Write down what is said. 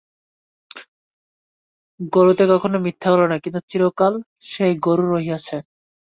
গরুতে কখনও মিথ্যা বলে না, কিন্তু চিরকাল সেই গরু রহিয়াছে।